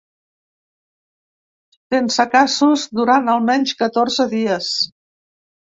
Sense casos durant almenys catorze dies.